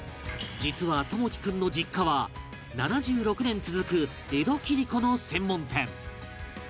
実は朋樹君の実家は７６年続く江戸切子の専門店